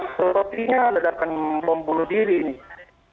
sepertinya ledakan bom bulu diri ini